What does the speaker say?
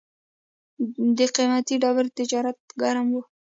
د قیمتي ډبرو تجارت ګرم و